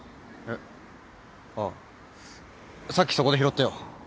さっきそこで拾ってよ。